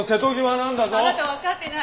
あなたわかってない！